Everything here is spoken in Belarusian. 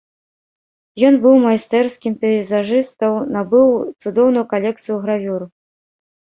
Ён быў майстэрскім пейзажыстаў, набыў цудоўную калекцыю гравюр.